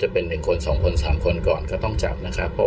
จะเป็นหนึ่งคนสองคนสามคนก่อนก็ต้องจับนะครับเพราะ